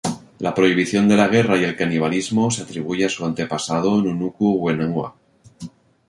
La prohibición de la guerra y el canibalismo se atribuye a su antepasado "Nunuku-whenua".